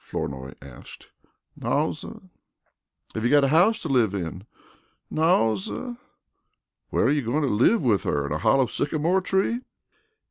Flournoy asked. "Naw, suh." "Have you got a house to live in?" "Naw, suh." "Where are you going to live with her in a hollow sycamore tree?"